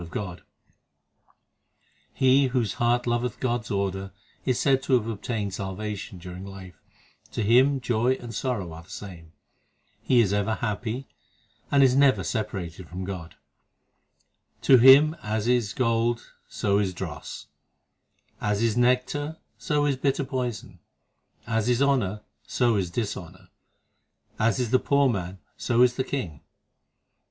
HYMNS OF GURU ARJAN 227 7 He whose heart loveth God s order Is said to have obtained salvation during life To him joy and sorrow are the same ; He is ever happy and is never separated from God, To him as is gold so is dross, As is nectar so is bitter poison, As is honour so is dishonour, As is the poor man so is the king.